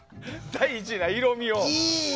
大事な色味を。